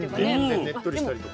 でねっとりしたりとか。